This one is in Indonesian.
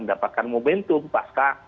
mendapatkan momentum pasca